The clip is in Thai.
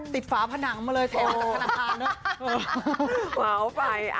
ติดฟ้าผนังมาเลยแทนขนาดนั้นน่ะ